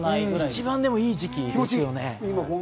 一番いい時期ですよね。